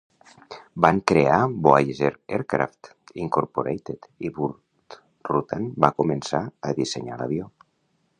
Van crear Voyager Aircraft, Incorporated, i Burt Rutan va començar a dissenyar l'avió.